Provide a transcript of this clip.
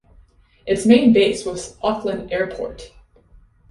Its main base was Auckland Airport.